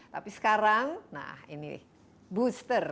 tapi sekarang nah ini booster